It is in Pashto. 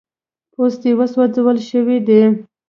پوستې سوځول سوي دي.